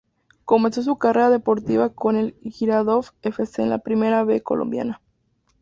Comenzó su carrera deportiva con el Girardot F. C. en la Primera B colombiana.